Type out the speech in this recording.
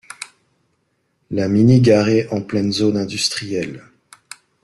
La Mini garée en pleine zone industrielle